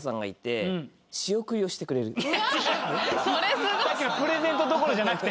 さっきのプレゼントどころじゃなくて。